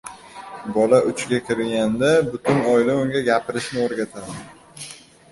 • Bola uchga kirganda unga butun oila gapirishni o‘rgatadi.